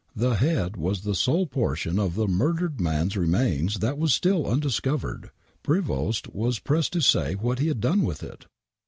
The head was the sole portion of the murdered man's remains that was still undiscovered. Prevost was pressed to say what he had done with it.